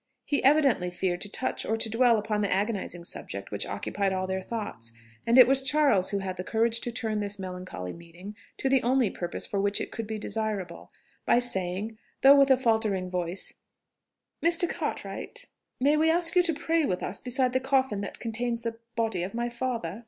He evidently feared to touch or to dwell upon the agonising subject which occupied all their thoughts, and it was Charles who had the courage to turn this melancholy meeting to the only purpose for which it could be desirable, by saying though with a faltering voice, "Mr. Cartwright ... may we ask you to pray with us beside the coffin that contains the body of my father?"